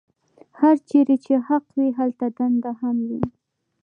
هرچېرې چې حق وي هلته دنده هم وي.